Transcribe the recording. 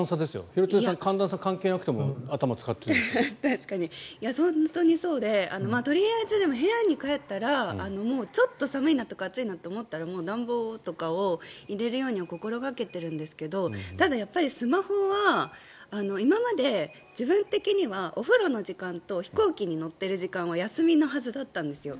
廣津留さん、寒暖差関係なくても本当にそうでとりあえず部屋に帰ったらちょっと寒いなとか暑いなと思ったら暖房とか入れるように心掛けているんですけどただ、やっぱりスマホは今まで自分的にはお風呂の時間と飛行機に乗っている時間は休みのはずだったんですよ。